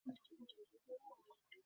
আমার পেছন পেছন আয় সবাই।